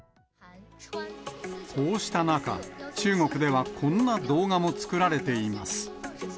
こうした中、中国ではこんな動画も作られています。